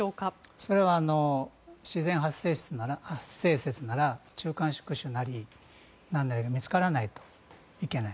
それは自然発生説なら中間宿主なりなんなり見つからないといけない。